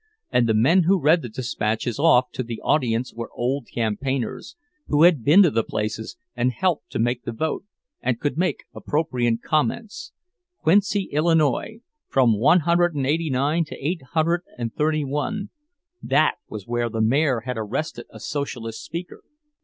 And the men who read the despatches off to the audience were old campaigners, who had been to the places and helped to make the vote, and could make appropriate comments: Quincy, Illinois, from 189 to 831—that was where the mayor had arrested a Socialist speaker!